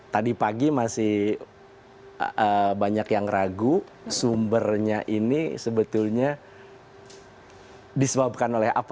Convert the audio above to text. tadi pagi masih banyak yang ragu sumbernya ini sebetulnya disebabkan oleh apa